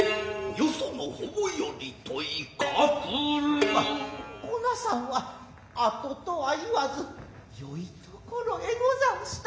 よその方より問いかくるまァこなさんは後とは言わず良いところへござんした。